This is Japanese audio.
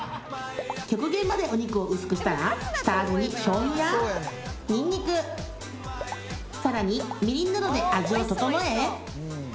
極限までお肉を薄くしたら下味にしょうゆやニンニクさらにみりんなどで味を調え